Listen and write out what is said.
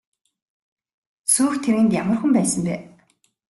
Сүйх тэргэнд ямар хүн байсан бэ?